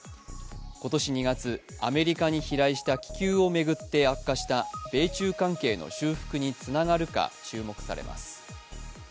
今年２月、アメリカに飛来した気球を巡って悪化した米中関係の修復につながるか注目されます。